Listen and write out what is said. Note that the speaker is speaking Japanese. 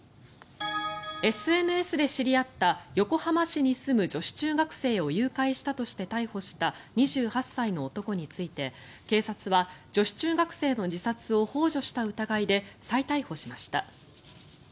ＳＮＳで知り合った横浜市に住む女子中学生を誘拐したとして逮捕した２８歳の男について警察は女子中学生の自殺をほう助した疑いで再逮捕しました。